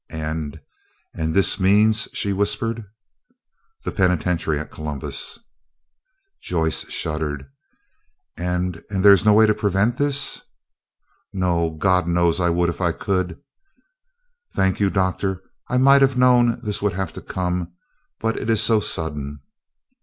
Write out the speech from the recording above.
"And—and—this means?" she whispered. "The penitentiary at Columbus." Joyce shuddered. "And—and there is no way to prevent this?" "None. God knows I would if I could." "Thank you, Doctor; I might have known this would have to come, but it is so sudden."